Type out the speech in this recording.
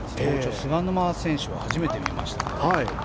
菅沼選手は初めて見ました。